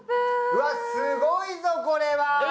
うわっ、すごいぞこれは。